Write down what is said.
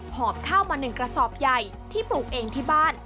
หอบข้าวมา๑กระสอบใหญ่ที่ปลูกเองที่บ้าน